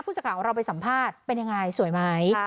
สักข่าวของเราไปสัมภาษณ์เป็นยังไงสวยไหม